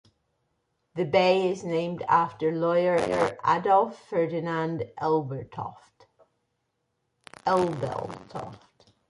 The bay is named after lawyer Adolph Ferdinand Ebeltoft.